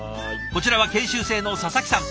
こちらは研修生の佐々木さん。